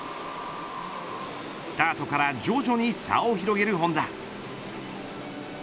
スタートから徐々に差を広げる本多。